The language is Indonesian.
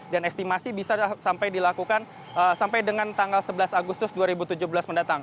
dan estimasi bisa sampai dilakukan sampai dengan tanggal sebelas agustus dua ribu tujuh belas mendatang